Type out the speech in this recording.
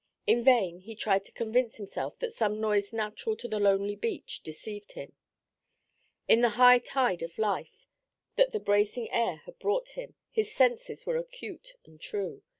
In vain he tried to convince himself that some noise natural to the lonely beach deceived him. In the high tide of life that the bracing air had brought him, his senses were acute and true.